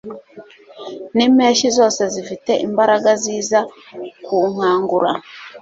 nimpeshyi zose zifite imbaraga ziza kunkangura